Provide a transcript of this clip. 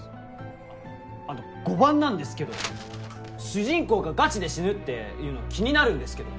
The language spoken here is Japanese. ああと５番なんですけど「主人公がガチで死ぬ」っていうの気になるんですけど。